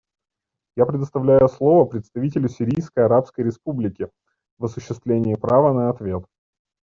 Я предоставляю слово представителю Сирийской Арабской Республики в осуществление права на ответ.